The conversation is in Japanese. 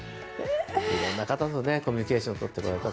いろんな方とコミュニケーションをとっていたと。